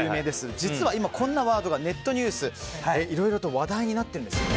実は、こんなワードがネットニュースでいろいろと話題になっているんですね。